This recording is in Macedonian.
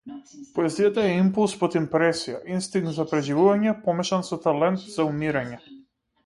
Поезијата е импулс под импресија, инстинкт за преживување помешан со талент за умирање.